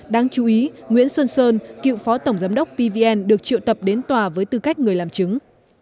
đáng chú ý nguyễn xuân sơn cựu phó tổng giám đốc pvn được triệu tập đến tòa với tư cách người làm chứng